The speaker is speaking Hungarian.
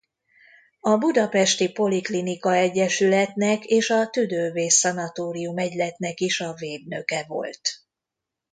A budapesti poliklinika-egyesületnek és a tüdővész-szanatórium-egyletnek is a védnöke volt.